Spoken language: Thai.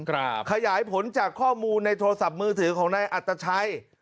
ขยายผลจากข้อมูลในโทรศัพท์มือถือของนายอัตชัย